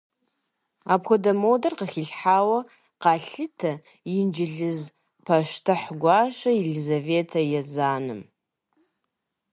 Апхуэдэ модэр къыхилъхьауэ къалъытэ инджылыз пащтыхь гуащэ Елизаветэ Езанэм.